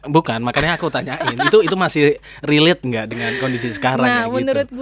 bukan makanya aku tanyain itu masih relate gak dengan kondisi sekarang gitu